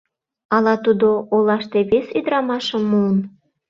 Ала тудо олаште вес ӱдрамашым муын?